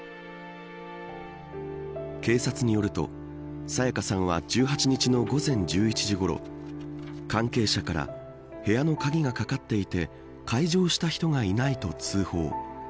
警察によると沙也加さんは１８日の午前１１時ごろ関係者から部屋の鍵がかかっていて解錠した人がいないと通報。